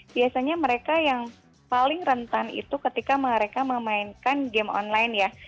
biasanya mereka yang paling rentan itu ketika mereka memainkan game online ya